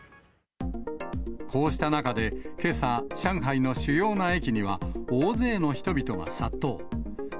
こうした中で、けさ、上海の主要な駅には、大勢の人々が殺到。